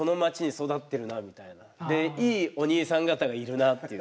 でいいおにいさん方がいるなっていう。